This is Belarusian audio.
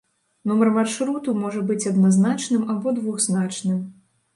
Нумар маршруту можа быць адназначным або двухзначным.